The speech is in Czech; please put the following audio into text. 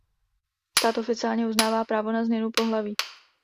Stát oficiálně uznává právo na změnu pohlaví.